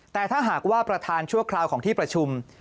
แต่ถ้าหากว่าประธานชั่วคราวของที่ประชุม